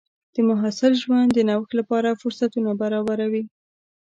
د محصل ژوند د نوښت لپاره فرصتونه برابروي.